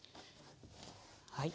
はい。